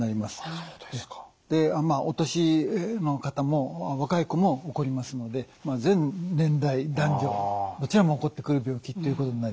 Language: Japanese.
お年の方も若い子も起こりますので全年代男女どちらも起こってくる病気ってことになります。